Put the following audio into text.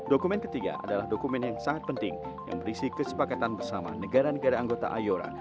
dokumen ketiga adalah dokumen yang sangat penting yang berisi kesepakatan bersama negara negara anggota iora